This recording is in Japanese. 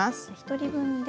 １人分で。